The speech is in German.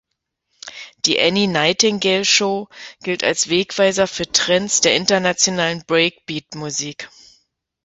Die Annie Nightingale Show gilt als Wegweiser für Trends der internationalen Breakbeat-Musik.